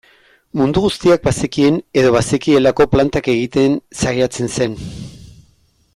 Mundu guztiak bazekien edo bazekielako plantak egiten saiatzen zen.